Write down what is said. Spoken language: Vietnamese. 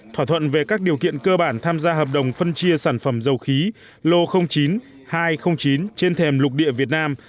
thỏa thuận về các điều kiện cơ bản tham gia hợp đồng phân chia sản phẩm dầu khí lô chín hai trăm linh chín trên thềm lục địa việt nam